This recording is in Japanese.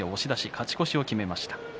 勝ち越しを決めました。